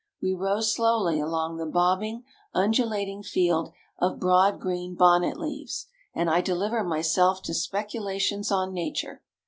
We row slowly along the bobbing, undulating field of broad green bonnet leaves, and I deliver myself to speculations on Nature.